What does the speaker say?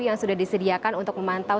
yang sudah disediakan untuk memantau